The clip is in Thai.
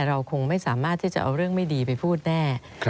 เราคงไม่สามารถที่จะเอาเรื่องไม่ดีไปพูดแน่